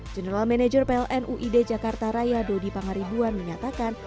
general manager pln uid jakarta raya dodi pangaribuan menyatakan